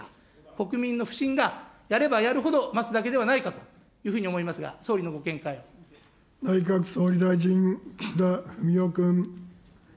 国民の不信がやればやるほど増すだけではないかというふうに思い内閣総理大臣、岸田文雄君。